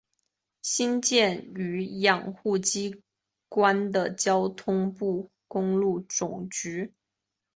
新建与养护机关为交通部公路总局。